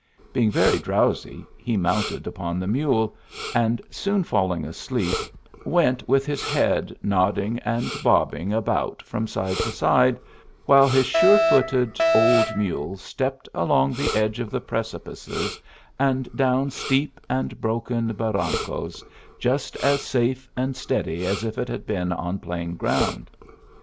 Being very drowsy, ne mounted upon the mule, and soon" falling asleep, went with his head nodding and bobbing about from side to side, while his sure footed old mule stepped along the edge of precipices, and down steep and broken barrancos just as safe and steady as if it had been on plain ground.